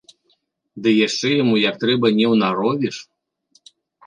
Ды яшчэ яму як трэба не ўнаровіш.